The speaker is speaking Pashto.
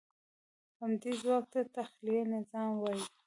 همدې ځواک ته تخیلي نظم وایي.